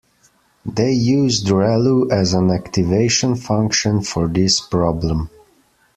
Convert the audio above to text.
They used relu as an activation function for this problem.